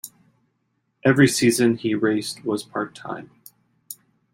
Every season he raced was part-time.